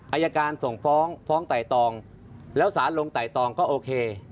อายการส่งฟ้องฟ้องไต่ตองแล้วสารลงไต่ตองก็โอเค